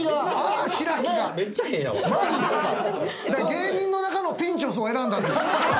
芸人の中のピンチョスを選んだ。